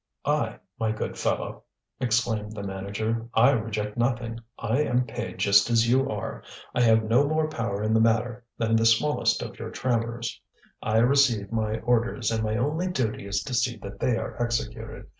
"I, my good fellow!" exclaimed the manager, "I reject nothing. I am paid just as you are. I have no more power in the matter than the smallest of your trammers. I receive my orders, and my only duty is to see that they are executed.